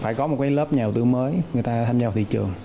phải có một cái lớp nhà đầu tư mới người ta tham gia vào thị trường